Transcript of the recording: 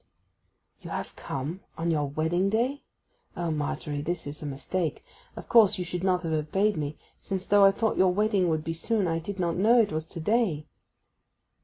'You have come—on your wedding day!—O Margery, this is a mistake. Of course, you should not have obeyed me, since, though I thought your wedding would be soon, I did not know it was to day.